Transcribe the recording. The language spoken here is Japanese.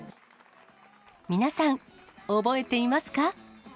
皆さん、覚えていますか？